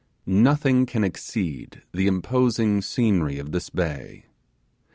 Nothing can exceed the imposing scenery of this bay.